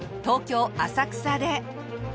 東京浅草で。